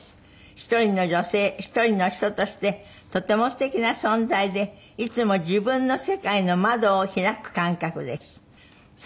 「一人の女性一人の人としてとても素敵な存在でいつも自分の世界の窓を開く感覚です」